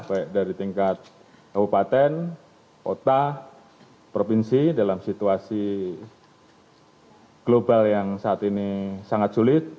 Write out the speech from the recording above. baik dari tingkat kabupaten kota provinsi dalam situasi global yang saat ini sangat sulit